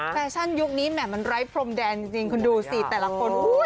แฟชั่นยุคนี้แหม่มันไร้พรมแดนจริงคุณดูสิแต่ละคน